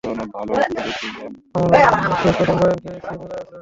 আমরা শেষ কখন বাহিরে খেয়েছি মনে আছে?